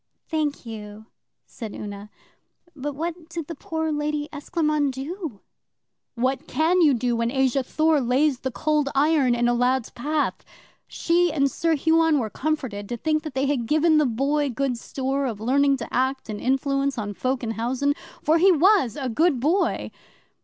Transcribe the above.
'Thank you,' said Una. 'But what did the poor Lady Esclairmonde do?' 'What can you do when Asa Thor lays the Cold Iron in a lad's path? She and Sir Huon were comforted to think they had given the Boy good store of learning to act and influence on folk in housen. For he was a good boy!